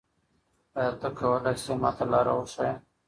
آیا ته کولای ېې ما ته لاره وښیې؟